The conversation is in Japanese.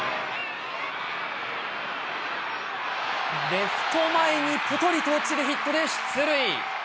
レフト前にぽとりと落ちるヒットで出塁。